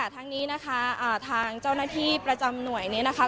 ทั้งนี้นะคะทางเจ้าหน้าที่ประจำหน่วยนี้นะคะ